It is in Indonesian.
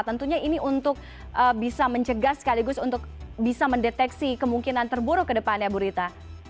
tentunya ini untuk bisa mencegah sekaligus untuk bisa mendeteksi kemungkinan terburuk ke depannya bu rita